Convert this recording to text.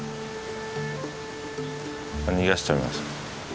逃がしちゃいます。